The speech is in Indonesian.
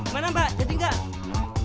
mana mbak jadi gak